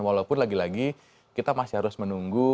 walaupun lagi lagi kita masih harus menunggu